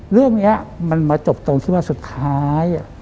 เรื่องนี้มันมาจบตรงที่ว่าสุดท้าย